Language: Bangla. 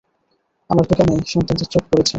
আমার দোকানে সন্তানদের চোখ পড়েছে।